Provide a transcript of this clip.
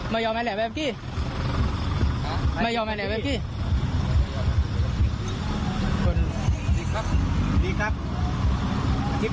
ไม่ยอมให้แหละแบบนี้